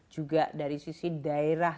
juga dari sisi daerah